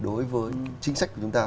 đối với chính sách của chúng ta